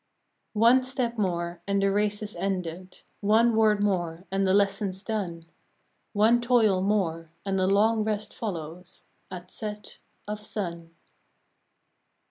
One step more, and the race is ended, One word more, and the lesson's done, One toil more, and a long rest follows At set of sun.